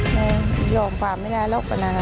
แม่ยอมฝ่าไม่ได้หรอกว่านั้นอ่ะ